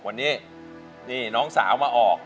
วันนี้นี่น้องสาวมาออก